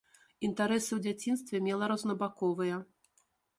Інтарэсы ў дзяцінстве мела рознабаковыя.